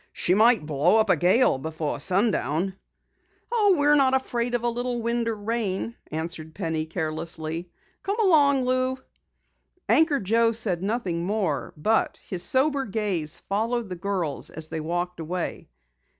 She might blow up a gale before sundown." "Oh, we're not afraid of a little wind or rain," answered Penny carelessly. "Come along, Lou." Anchor Joe said nothing more, but his sober gaze followed the girls as they walked away.